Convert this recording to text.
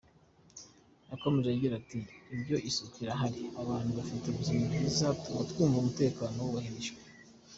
Yakomeje agira ati ”Iyo isuku ihari, abantu bafite ubuzima bwiza tuba twumva umutekano wubahirijwe.